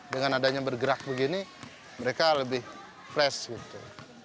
dengan adanya bergerak begini mereka lebih fresh gitu